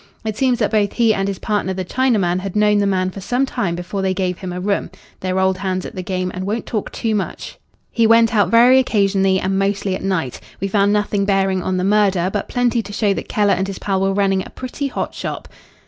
It seems that both he and his partner the Chinaman had known the man for some time before they gave him a room. They're old hands at the game and won't talk too much. He went out very occasionally, and mostly at night. We found nothing bearing on the murder, but plenty to show that Keller and his pal were running a pretty hot shop."